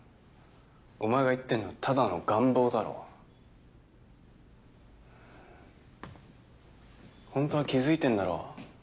お前が言ってんのはただの願望だろ本当は気づいてんだろ？